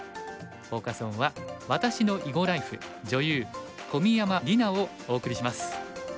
フォーカス・オンは「私の囲碁ライフ女優小宮山莉渚」をお送りします。